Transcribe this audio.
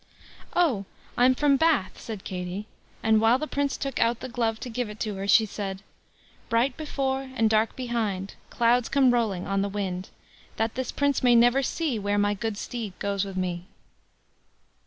"Oh! I'm from Bath", said Katie; and while the Prince took out the glove to give it to her, she said: Bright before and dark behind, Clouds come rolling on the wind; That this Prince may never see Where my good steed goes with me.